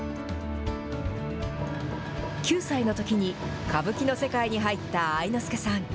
９歳のときに歌舞伎の世界に入った愛之助さん。